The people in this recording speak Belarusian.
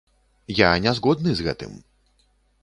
Я не згодны з гэтым.